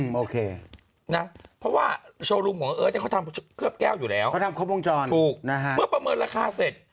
เพราะว่าโชว์รูมของเอิ้นเขาทำเคลือบแก้วอยู่แล้วเพื่อประเมินราคาเสร็จ